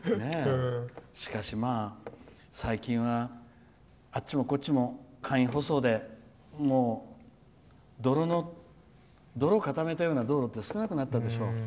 しかし、最近はあっちもこっちも簡易舗装で泥、固めたような道路って少なくなったでしょう。